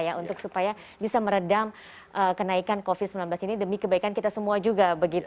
ya untuk supaya bisa meredam kenaikan covid sembilan belas ini demi kebaikan kita semua juga